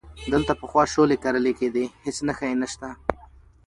دلته پخوا شولې کرلې کېدې، هیڅ نښه یې نشته،